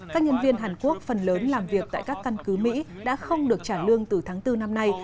các nhân viên hàn quốc phần lớn làm việc tại các căn cứ mỹ đã không được trả lương từ tháng bốn năm nay